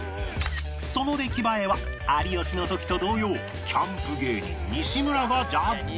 その出来栄えは有吉の時と同様キャンプ芸人西村がジャッジ